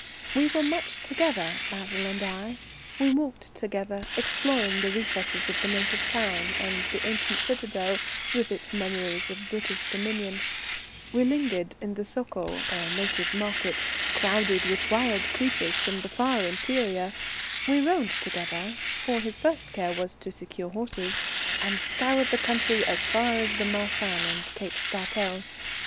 We were much together, Basil and I; we walked together, exploring the recesses of the native town, and the ancient citadel, with its memories of British dominion; we lingered in the Soko or native market, crowded with wild creatures from the far interior; we rode together, for his first care was to secure horses, and scoured the country as far as the Marshan and Cape Spartel.